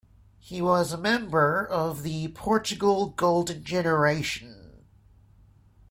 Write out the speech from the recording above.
He was a member of the "Portugal Golden Generation".